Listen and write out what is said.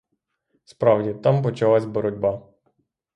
Справді, там почалась боротьба.